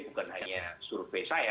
bukan hanya survei saya